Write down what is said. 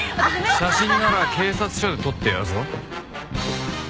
写真なら警察署で撮ってやるぞ。